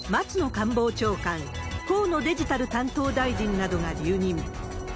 官房長官、河野デジタル担当大臣などが留任。